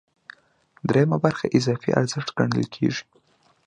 درېیمه برخه اضافي ارزښت ګڼل کېږي